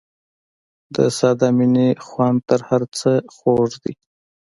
د ساده مینې خوند تر هر څه خوږ دی.